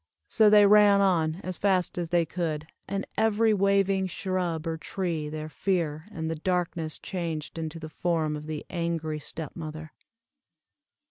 So they ran on as fast as they could, and every waving shrub or tree their fear and the darkness changed into the form of the angry step mother.